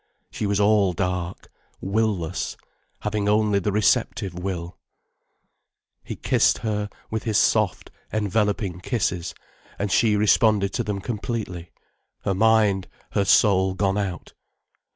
She was all dark, will less, having only the receptive will. He kissed her, with his soft, enveloping kisses, and she responded to them completely, her mind, her soul gone out.